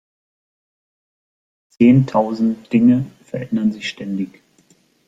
Die „Zehntausend Dinge“ verändern sich ständig.